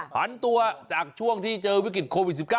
พันตัวจากช่วงที่เจอวิกฤตโควิด๑๙